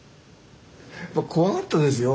怖かったですよ。